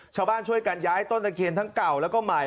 ชาวบ้านช่วยการย้ายต้นตะเครียนทั้งเก่าแล้วก็ใหม่